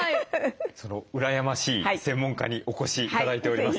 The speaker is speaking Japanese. その羨ましい専門家にお越し頂いております。